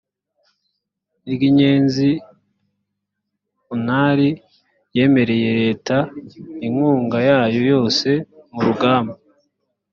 ry’inyenzi unar yemereye leta inkunga yayo yose mu rugamba